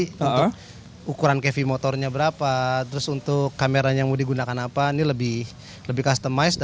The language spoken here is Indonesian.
untuk ukuran cavi motornya berapa terus untuk kameranya yang mau digunakan apa ini lebih customized